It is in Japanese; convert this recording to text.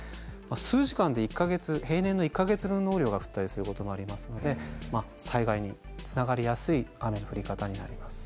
数時間で平年の１か月分の雨量が降ったりすることもありますので災害につながりやすい雨の降り方になります。